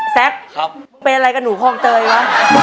แซคเป็นอะไรกับหนูคลองเตยวะ